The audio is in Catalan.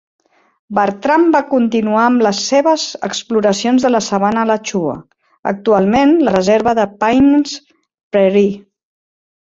Bartram va continuar amb les seves exploracions de la sabana Alachua, actualment la reserva de Paynes Prairie.